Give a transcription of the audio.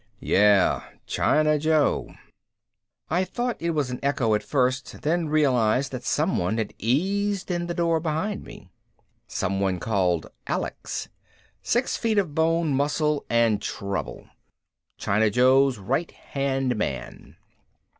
"Yeah, China Joe." I thought it was an echo at first, then realized that someone had eased in the door behind me. Something called Alex. Six feet of bone, muscle and trouble. China Joe's right hand man.